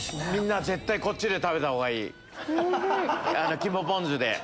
みんな絶対こっちで食べたほうがいい肝ポン酢で。